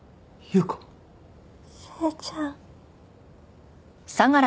誠ちゃん。